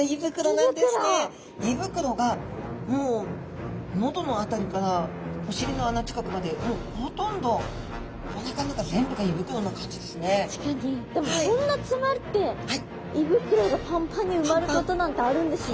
胃袋がもう喉の辺りからお尻の穴近くまでほとんどでもこんな詰まるって胃袋がパンパンに埋まることなんてあるんですね。